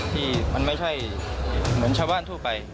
ที่มันไม่ใช่เหมือนชาวบ้านทั่วไป